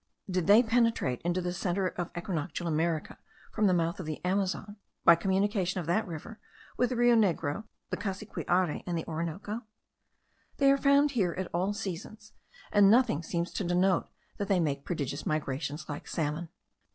Did they penetrate into the centre of equinoctial America from the mouth of the Amazon, by the communication of that river with the Rio Negro, the Cassiquiare, and the Orinoco? They are found here at all seasons, and nothing seems to denote that they make periodical migrations like salmon.